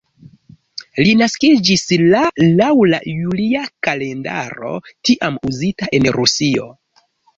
Li naskiĝis la laŭ la julia kalendaro tiam uzita en Rusio.